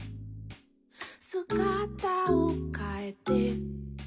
「すがたをかえて」